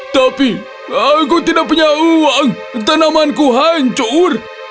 tapi aku tidak punya uang tanamanku hancur